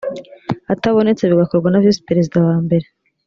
atabonetse bigakorwa na visi perezida wa mbere